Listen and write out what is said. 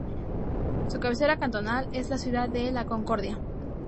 Su cabecera cantonal es la ciudad de La Concordia.